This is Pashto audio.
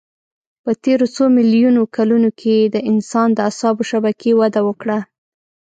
په تېرو څو میلیونو کلونو کې د انسان د اعصابو شبکې وده کړه.